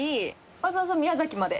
わざわざ宮崎まで？